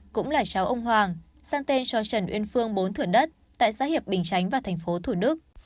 cũng là cháu ông hoàng sang tên cho trần uyên phương bốn thửa đất tại xã hiệp bình chánh và thành phố thủ đức